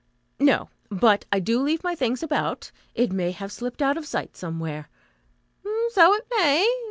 "No. But I do leave my things about. It may have slipped out of sight somewhere." "So it may.